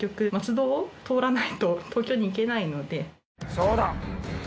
そうだ！